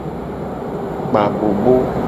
Kpa abobo.